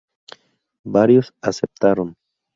Varios aceptaron.